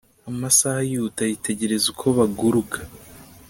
Amasaha yihuta yitegereza uko baguruka